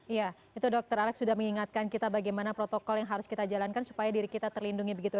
iya itu dokter alex sudah mengingatkan kita bagaimana protokol yang harus kita jalankan supaya diri kita terlindungi begitu